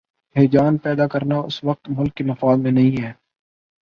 ہیجان پیدا کرنا اس وقت ملک کے مفاد میں نہیں ہے۔